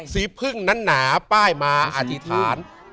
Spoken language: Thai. สีพึ่งนั้นหนาป้ายมาอธิษฐาน